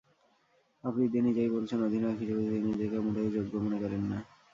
আফ্রিদি নিজেই বলেছেন, অধিনায়ক হিসেবে তিনি নিজেকে মোটেও যোগ্য মনে করেন না।